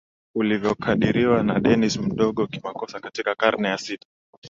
ulivyokadiriwa na Denis Mdogo kimakosa katika karne ya sita